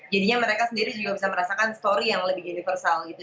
jadinya mereka sendiri juga bisa merasakan story yang lebih universal gitu